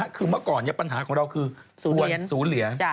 คือเมื่อก่อนปัญหาของเราคือสูรเหลียน